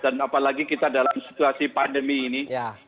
dan apalagi kita dalam situasi pandemi ini